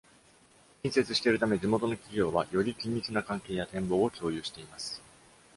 近接しているため、地元の企業はみな緊密な関係や展望を共有しています。